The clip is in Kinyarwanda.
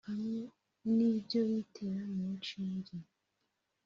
hamwe n’ibyo bitera mu nshinge